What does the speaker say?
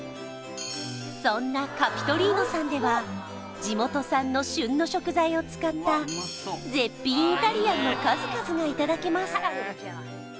そんなカピトリーノさんでは地元産の旬の食材を使った絶品イタリアンの数々がいただけます